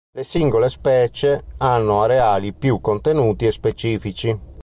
Le singole Specie hanno areali più contenuti e specifici.